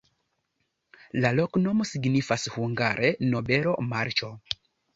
La loknomo signifas hungare: nobelo-marĉo.